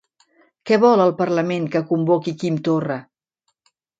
Què vol el parlament que convoqui Quim Torra?